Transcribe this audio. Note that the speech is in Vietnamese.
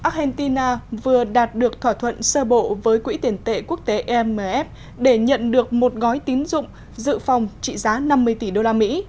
argentina vừa đạt được thỏa thuận sơ bộ với quỹ tiền tệ quốc tế imf để nhận được một gói tín dụng dự phòng trị giá năm mươi tỷ đô la mỹ